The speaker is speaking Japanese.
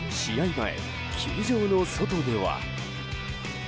前、球場の外では。